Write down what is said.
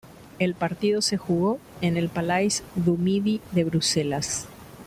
El partido se jugó en el Palais du Midi de Bruselas.